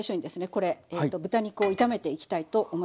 これ豚肉を炒めていきたいと思います。